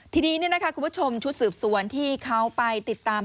ทีนี้คุณผู้ชมชุดสืบสวนที่เขาไปติดตาม